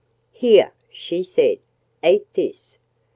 "Here!" she said, "eat this!"